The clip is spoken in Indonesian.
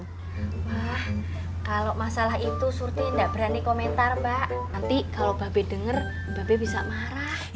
wah kalau masalah itu surti gak berani komentar mbak nanti kalau mbak be denger mbak be bisa marah